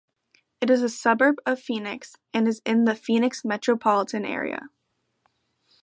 It is a suburb of Phoenix and is in the Phoenix metropolitan area.